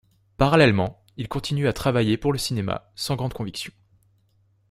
Parallèlement, il continue à travailler pour le cinéma, sans grande conviction.